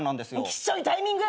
きっしょいタイミング！